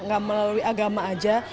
gak melalui agama aja